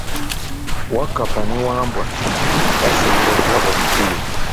Wakkapa ne Wambwa basobola okulaba omupiira.